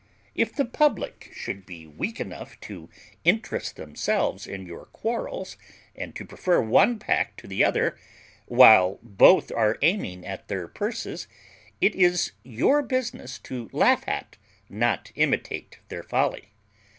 If the public should be weak enough to interest themselves in your quarrels, and to prefer one pack to the other, while both are aiming at their purses, it is your business to laugh at, not imitate their folly.